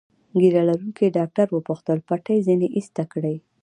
ږیره لرونکي ډاکټر وپوښتل: پټۍ ځینې ایسته کړي؟